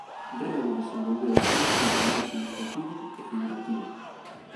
Rego desenvolveu un estilo máis ilustrativo e figurativo.